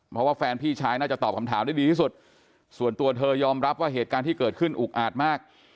เพราะว่าแฟนพี่ชายน่าจะตอบคำถามได้ดีที่สุดส่วนตัวเธอยอมรับว่าเหตุการณ์ที่เกิดขึ้นอุกอาจมาก